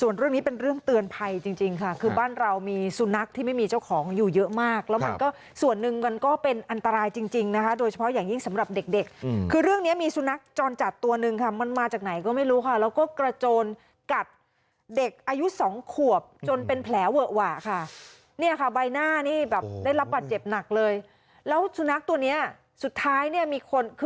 ส่วนเรื่องนี้เป็นเรื่องเตือนภัยจริงค่ะคือบ้านเรามีสุนัขที่ไม่มีเจ้าของอยู่เยอะมากแล้วมันก็ส่วนหนึ่งมันก็เป็นอันตรายจริงนะคะโดยเฉพาะอย่างยิ่งสำหรับเด็กคือเรื่องนี้มีสุนัขจรจัดตัวหนึ่งค่ะมันมาจากไหนก็ไม่รู้ค่ะแล้วก็กระโจนกัดเด็กอายุสองขวบจนเป็นแผลเวอะหวะค่ะเนี่ยค